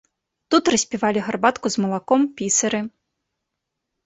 Тут распівалі гарбатку з малаком пісары.